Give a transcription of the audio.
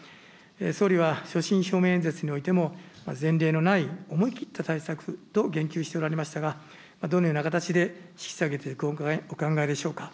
総理は所信表明演説においても前例のない思い切った対策と言及しておられましたが、どのような形で引き下げていくお考えでしょうか。